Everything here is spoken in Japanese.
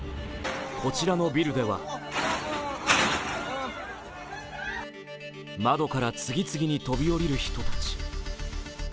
こちらのビルでは窓から次々に飛びおりる人たち。